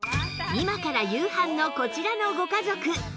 今から夕飯のこちらのご家族